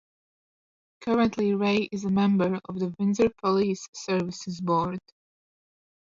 Currently Ray is a member of the Windsor Police Services Board.